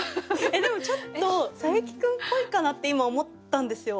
でもちょっとサエキ君っぽいかなって今思ったんですよ。